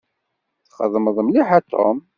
Txedmeḍ mliḥ a Tom.